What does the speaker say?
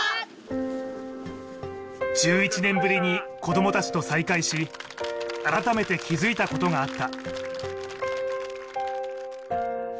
１１年ぶりに子ども達と再会し改めて気づいたことがあった